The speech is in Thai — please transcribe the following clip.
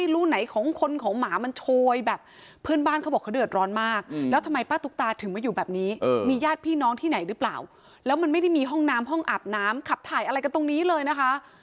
เรามาขับถ่ายกันตรงนี้เลยนะคะ